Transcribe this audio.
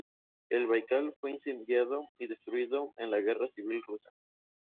El "Baikal" fue incendiado y destruido en la Guerra Civil Rusa.